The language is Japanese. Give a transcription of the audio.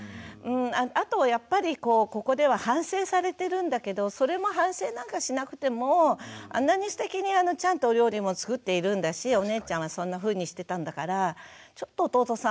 あとやっぱりここでは反省されてるんだけどそれも反省なんかしなくてもあんなにすてきにちゃんとお料理も作っているんだしお姉ちゃんはそんなふうにしてたんだからちょっと弟さん